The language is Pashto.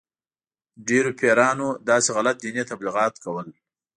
ډېرو پیرانو داسې غلط دیني تبلیغات کول.